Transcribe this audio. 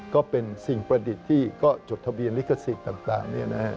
ก็เป็นสิ่งประดิษฐ์ที่ก็จดทะเบียนลิขสิทธิ์ต่าง